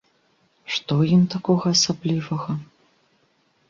Што ў ім такога асаблівага?